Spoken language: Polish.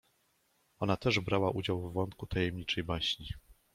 Ona też brała udział w wątku tajemniczej baśni.